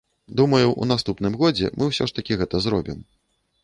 Думаю, у наступным годзе мы ўсё ж такі гэта зробім.